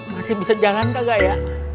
masih bisa jangan kagak ya